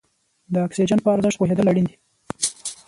د اکسیجن په ارزښت پوهېدل اړین دي.